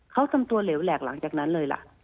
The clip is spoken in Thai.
เขาทำตัวเหลวแหลกหลังจากนั้นเลยล่ะ